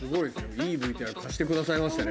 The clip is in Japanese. いいＶＴＲ貸してくださいましたね。